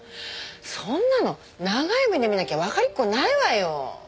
そんなの長い目で見なきゃわかりっこないわよ。